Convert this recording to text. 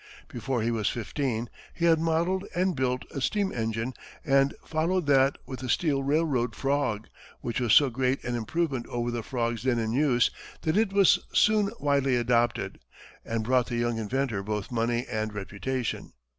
Before he was fifteen, he had modelled and built a steam engine, and followed that with a steel railroad frog, which was so great an improvement over the frogs then in use that it was soon widely adopted, and brought the young inventor both money and reputation.